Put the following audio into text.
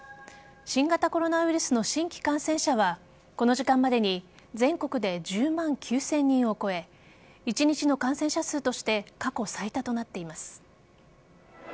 新型コロナウイルスの新規感染者はこの時間までに全国で１０万９０００人を超え１日の感染者数として過去最多となっています。